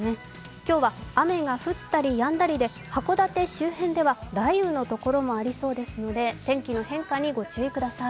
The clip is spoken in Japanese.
今日は雨が降ったりやんだりで函館周辺では雷雨のところもありそうですので天気の変化にご注意ください。